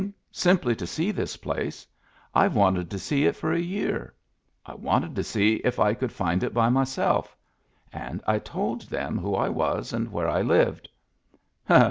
Simply to see this place. I've wanted to see it for a year. I wanted to see if I could find it by myself." And I told them who I was and where I lived.